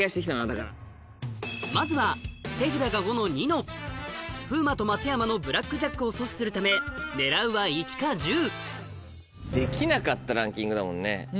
まずは手札が５のニノ風磨と松山のブラックジャックを阻止するため狙うは１か１０できなかったランキングだもんね